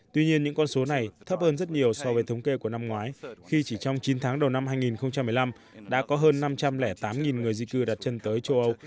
tuy nhiên những con số này thấp hơn rất nhiều so với thống kê của năm ngoái khi chỉ trong chín tháng đầu năm hai nghìn một mươi năm đã có hơn năm trăm linh tám người di cư đặt chân tới châu âu